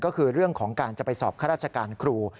ก็คือเรื่องของการจะไปสอบข้าราชการครู